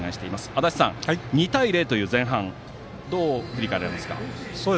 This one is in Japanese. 足達さん、２対０という前半をどう振り返られますか。